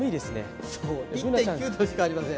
１．９度しかありません。